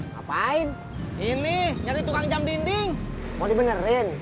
ngapain ini nyari tukang jam dinding mau dibenerin